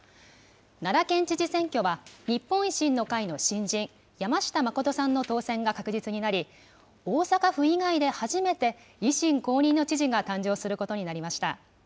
奈良県知事選挙は、日本維新の会の新人、山下真さんの当選が確実になり、大阪府以外で初めて維新公認の知事が誕生することになりました。